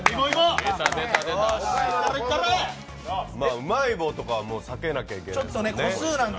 うまい棒とかは避けなきゃいけないですよね。